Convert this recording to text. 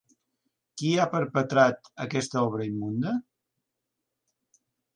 Qui ha perpetrat aquesta obra immunda?